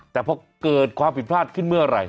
แต่พอเกิดความผิดพลาดขึ้นเมื่อไหร่